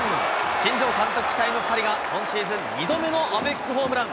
新庄監督期待の２人が、今シーズン２度目のアベックホームラン。